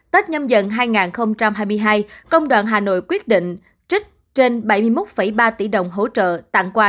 tết nhâm dần hai nghìn hai mươi hai công đoàn hà nội quyết định trích trên bảy mươi một ba tỷ đồng hỗ trợ tặng quà